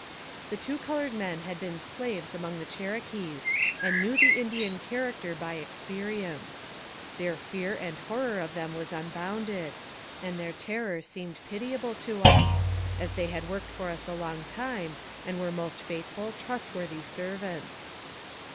The two colored men had been slaves among the Cherokees, and knew the Indian character by expe rience. Their fear and horror of them was unbounded, and their terror seemed pitiable to us, as they had worked for us a long time, and were most faithful, trustworthy servants.